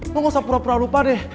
lo gausah pura pura lupa deh